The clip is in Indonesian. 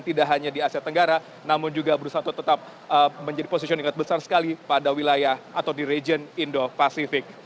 tidak hanya di asia tenggara namun juga berusaha untuk tetap menjadi posisi yang sangat besar sekali pada wilayah atau di region indo pasifik